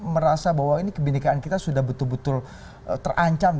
merasa bahwa kebenikan kita sudah betul betul terancam